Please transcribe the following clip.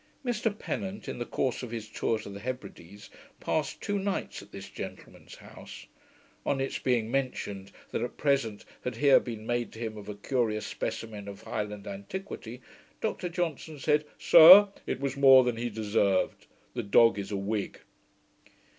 Mr Pennant, in the course of his tour to the Hebrides, passed two nights at this gentleman's house. On its being mentioned, that a present had here been made to him of a curious specimen of Highland antiquity, Dr Johnson said, 'Sir, it was more than he deserved: the dog is a Whig.'